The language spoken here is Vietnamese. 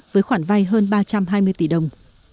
với khoản vay hơn ba trăm hai mươi tỷ đồng